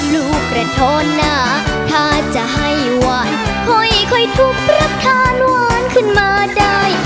ลูกระทหนาถ้าจะให้หวานค่อยค่อยทุบปรัปธาณวานขึ้นมาได้